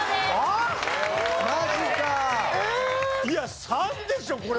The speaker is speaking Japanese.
いや３でしょ